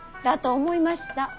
だと思いました。